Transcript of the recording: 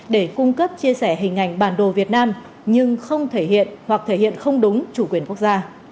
để cung cấp chia sẻ hình ảnh bản đồ việt nam nhưng không thể hiện hoặc thể hiện không đúng chủ quyền quốc gia